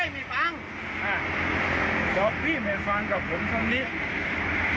มีมั้ยเงินกินเราอ่ะผมจะให้